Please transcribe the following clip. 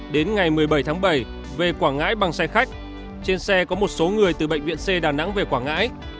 đến ngày một mươi bảy tháng bảy về quảng ngãi bằng xe khách trên xe có một số người từ bệnh viện c đà nẵng về quảng ngãi